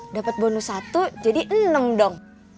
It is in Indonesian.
dapat bonus satu jadi enam dong